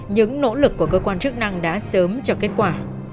những nỗ lực của cơ quan chức năng đã sớm cho kết quả